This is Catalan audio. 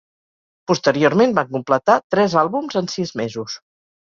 Posteriorment van completar tres àlbums en sis mesos.